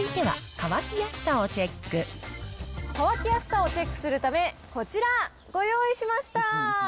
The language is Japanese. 乾きやすさをチェックするため、こちら、ご用意しました。